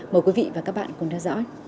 mời quý vị và các bạn cùng theo dõi